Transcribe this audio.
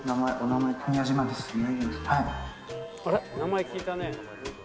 名前聞いたね」